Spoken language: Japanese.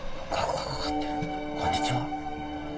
こんにちは。